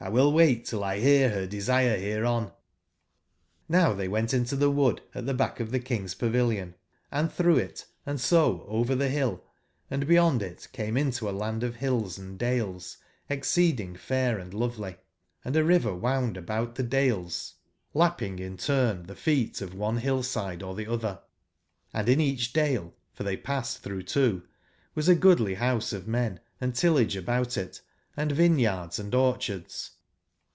will wait till 1 hear her desire hereon "jj^ JVow they went into the wood at the back of the King's pavil ion and through it, and so over the hill, and beyond it came into a land of hills and dales exceeding fair and lovely; and a river wound about the dales, lap 03 85 ping in turn the feet of one bill/side or the other; & in each dale (for tbey passed through two) was a goodly house of men, and tillage about it, and vine yards and orchards.